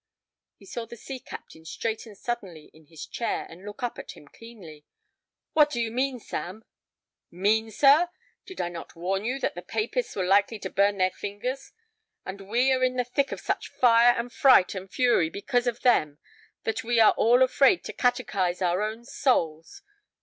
He saw the sea captain straighten suddenly in his chair and look up at him keenly. "What do you mean, Sam?" "Mean, sir? Did I not warn you that the papists were likely to burn their fingers? And we are in the thick of such fire and fright and fury because of them that we are all afraid to catechize our own souls.